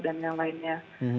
dan yang lainnya